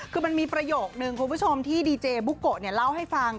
คือมันมีประโยคนึงคุณผู้ชมที่ดีเจบุโกะเล่าให้ฟัง